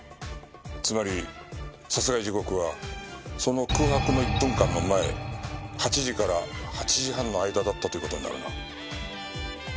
つまり殺害時刻はその空白の１分間の前８時から８時半の間だったという事になるな。